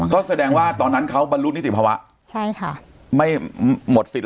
ตอนนี้ง่าจะ๓๑หรอมั้งโทษ